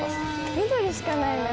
緑しかないね